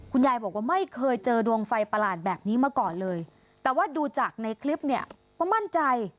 คุณยายบอกว่าไม่เคยเจอดวงไฟประหลาดแบบนี้มาก่อนเลยแต่ว่าดูจากในคลิปเนี่ยก็มั่นใจ